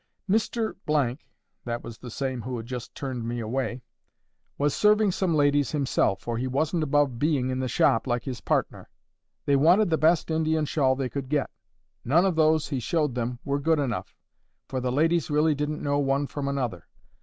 Mr— ' (that was the same who had just turned me away) 'was serving some ladies himself, for he wasn't above being in the shop, like his partner. They wanted the best Indian shawl they could get. None of those he showed them were good enough, for the ladies really didn't know one from another.